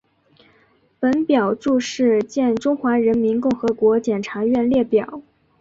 本表注释见中华人民共和国检察院列表。